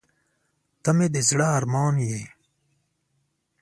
• ته مې د زړه ارمان یې.